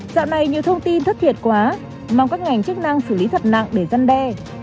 dạng này nhiều thông tin thất thiệt quá mong các ngành chức năng xử lý thật nặng để dân đe